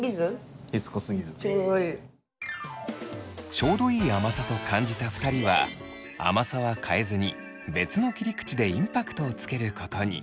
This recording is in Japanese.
ちょうどいい甘さと感じた２人は甘さは変えずに別の切り口でインパクトをつけることに。